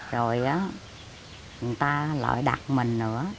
rồi người ta lại đặt mình nữa